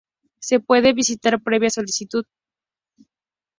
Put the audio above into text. Se puede visitar previa solicitud.